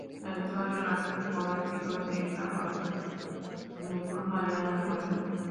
Realizó las formativas en Bragado, en el club Mariano Moreno.